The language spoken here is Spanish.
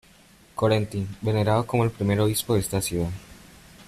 Corentin, venerado como el primer obispo de esta ciudad"